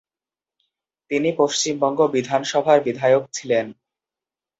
তিনি পশ্চিমবঙ্গ বিধানসভার বিধায়ক ছিলেন।